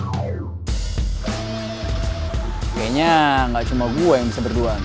kayaknya gak cuma gue yang bisa berduaan